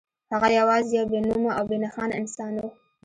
هغه یوازې یو بې نومه او بې نښانه انسان و